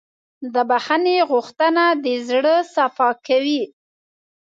د بښنې غوښتنه د زړه صفا کوي.